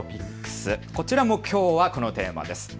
こちらもきょうはこのテーマです。